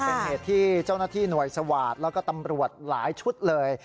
เป็นเหตุที่เจ้าหน้าที่หน่วยสวาสตร์แล้วก็ตำรวจหลายชุดเลย